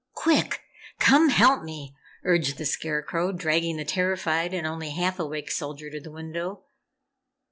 "Quick! Come help me!" urged the Scarecrow, dragging the terrified and only half awake Soldier to the window.